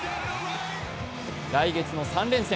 来月の３連戦。